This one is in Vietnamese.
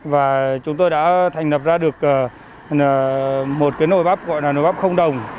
và chúng tôi đã thành lập ra được một cái nồi bắp gọi là nồi bắp không đồng